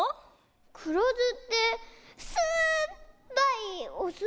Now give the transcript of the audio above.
くろずってすっぱいおす？